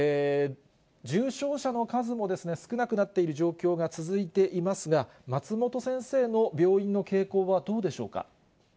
重症者の数も少なくなっている状況が続いていますが、松本先生の病院の傾向はどうでしょうか。